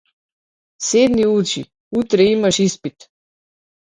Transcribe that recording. Седни учи, утре имаш испит.